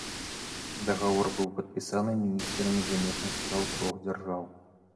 Дагавор быў падпісаны міністрамі замежных спраў трох дзяржаў.